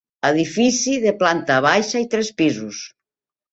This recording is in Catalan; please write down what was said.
Edifici de planta baixa i tres pisos.